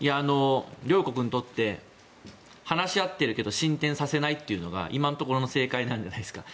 両国にとって話し合っているけど進展させないっていうのが今のところの正解なんじゃないですか。